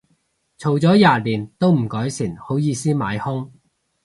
嘈咗廿年都唔改善，好意思買兇